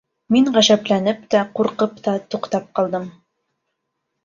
Мин ғәжәпләнеп тә, ҡурҡып та туҡтап ҡалдым.